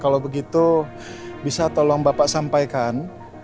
kalau begitu bisa tolong bapak sampaikan